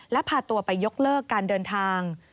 และพาตัวไปยกเลิกการเดินทาง